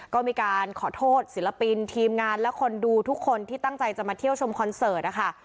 ก็มีการขอโทษศิลปินทีมงานและคนดูทุกคนที่ตั้งใจจะมาเที่ยวชมคอนเสิร์ตนะคะ